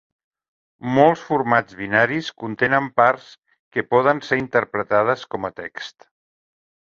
Molts formats binaris contenen parts que poden ser interpretades com a text.